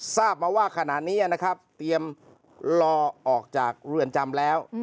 ทราบมาว่าขณะนี้นะครับเตรียมรอออกจากเรือนจำแล้ว